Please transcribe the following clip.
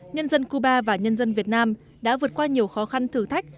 nhân dân cuba và nhân dân việt nam đã vượt qua nhiều khó khăn thử thách